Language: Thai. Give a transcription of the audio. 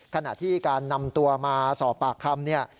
ขณะที่การนำตัวมาสอบปากคำเนี่ย